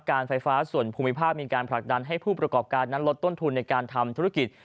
การไฟฟ้าส่วนภูมิภาคมีการผลักดันให้ผู้ประกอบการนั้นลดต้นทุนในการทำธุรกิจ